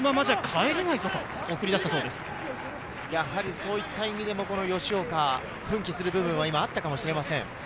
まずは１点だと、このままじゃ帰そういった意味でも吉岡、奮起する部分は今あったかもしれません。